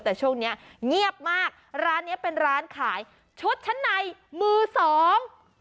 แต่ช่วงเนี้ยเงียบมากร้านเนี้ยเป็นร้านขายชุดชั้นในมือสอง